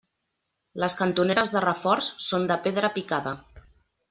Les cantoneres de reforç són de pedra picada.